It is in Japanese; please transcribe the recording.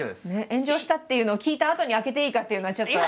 炎上したっていうのを聞いたあとに開けていいかっていうのはちょっと。